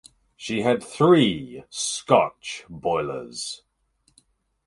She had three Scotch boilers.